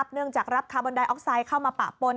เนื่องจากรับคาร์บอนไดออกไซด์เข้ามาปะปน